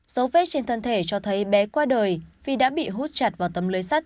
dấu vết trên thân thể cho thấy bé qua đời vì đã bị hút chặt vào tấm lưới sắt